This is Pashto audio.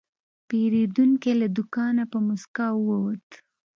پیرودونکی له دوکانه په موسکا ووت.